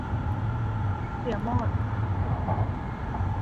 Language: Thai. เสี่ยมอด